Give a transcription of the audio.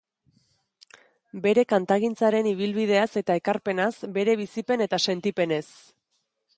Bere kantagintzaren ibilbideaz eta ekarpenaz, bere bizipen eta sentipenez.